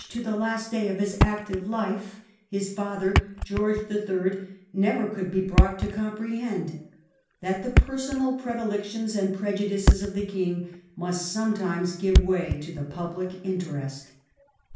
to the last day of his active life, his father, George III., never could he brought to com prehend — that the personal predilections and preju dices of the Xing must sometimes give way to the public interest.